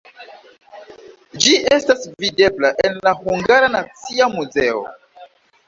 Ĝi estas videbla en la Hungara Nacia Muzeo.